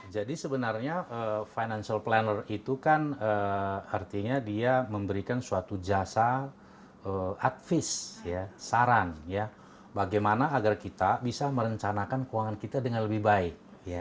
jadi sebenarnya financial planner itu kan artinya dia memberikan suatu jasa advis saran bagaimana agar kita bisa merencanakan keuangan kita dengan lebih baik